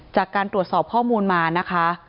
จากการตรวจสอบข้อมูลมานะคะ